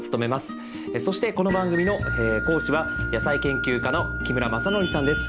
そしてこの番組の講師は野菜研究家の木村正典さんです。